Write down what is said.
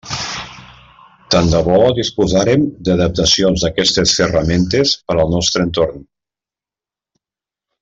Tant de bo disposàrem d'adaptacions d'aquestes ferramentes per al nostre entorn.